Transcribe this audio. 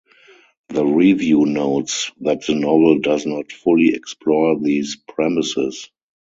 The review notes that the novel does not fully explore these premises.